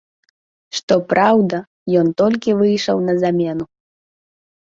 Што праўда, ён толькі выйшаў на замену.